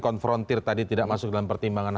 konfrontir tadi tidak masuk dalam pertimbangan